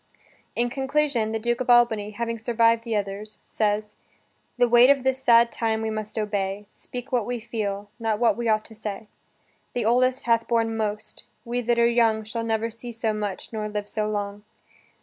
In conclusion, the Duke of Albany, having survived the others, says: "The weight of this sad time we must obey; Speak what we feel, not what we ought to say. The oldest hath borne most: we that are young Shall never see so much, nor live so long."